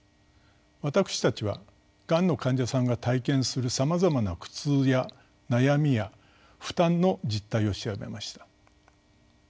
私たちはがんの患者さんが体験するさまざまな苦痛や悩みや負担の実態を調べました。